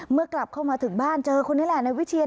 กลับเข้ามาถึงบ้านเจอคนนี้แหละในวิเชียน